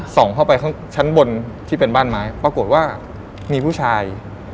เข้าไปข้างชั้นบนที่เป็นบ้านไม้ปรากฏว่ามีผู้ชาย